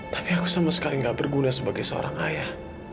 tapi aku sama sekali gak berguna sebagai seorang ayah